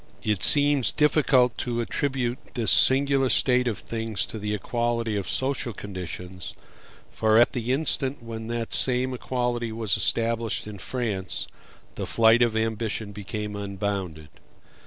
It seems difficult to attribute this singular state of things to the equality of social conditions; for at the instant when that same equality was established in France, the flight of ambition became unbounded.